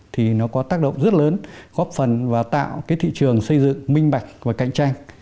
thì nó có tác động rất lớn góp phần và tạo cái thị trường xây dựng minh bạch và cạnh tranh